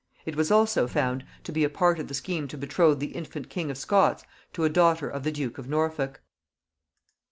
It was also found to be a part of the scheme to betroth the infant king of Scots to a daughter of the duke of Norfolk.